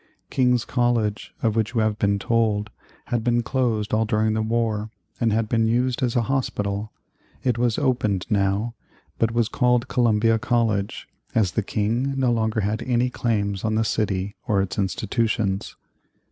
King's College, of which you have been told, had been closed all during the war, and had been used as a hospital. It was opened now, but was called Columbia College, as the King no longer had any claims on the city or its institutions.